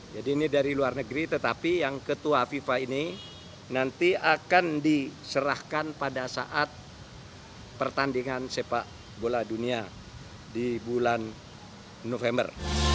jadi ini dari luar negeri tetapi yang ketua fifa ini nanti akan diserahkan pada saat pertandingan sepak bola dunia di bulan november